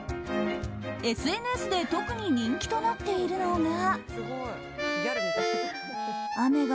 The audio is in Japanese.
ＳＮＳで特に人気となっているのが。